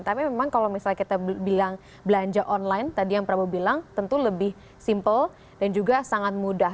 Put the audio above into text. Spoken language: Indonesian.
tapi memang kalau misalnya kita bilang belanja online tadi yang prabowo bilang tentu lebih simpel dan juga sangat mudah